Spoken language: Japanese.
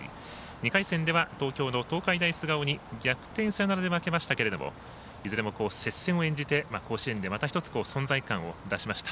２回戦では東京の東海大菅生に逆転サヨナラで負けましたがいずれも接戦を演じて甲子園でまた１つ存在感を出しました。